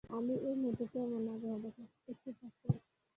আমি এই মুহূর্তে তেমন আগ্রহ দেখাচ্ছি না।